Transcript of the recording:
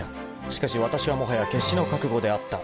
［しかしわたしはもはや決死の覚悟であった］